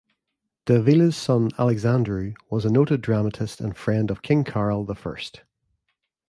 Davila's son Alexandru was a noted dramatist and friend of King Carol the First.